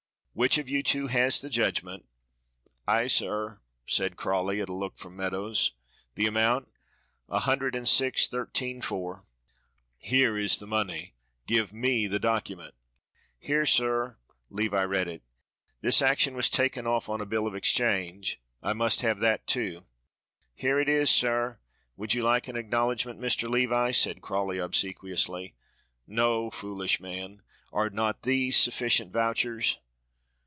Which of you two has the judgment?" "I, sir," said Crawley, at a look from Meadows. "The amount?" "A hundred and six thirteen four." "Here is the money. Give me the document." "Here, sir." Levi read it. "This action was taken on a bill of exchange. I must have that too." "Here it is, sir. Would you like an acknowledgment, Mr. Levi," said Crawley obsequiously. "No! foolish man. Are not these sufficient vouchers?